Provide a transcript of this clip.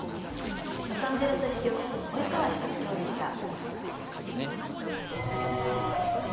ロサンゼルス支局及川支局長でした。